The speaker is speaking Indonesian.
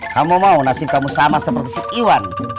kamu mau nasib kamu sama seperti si iwan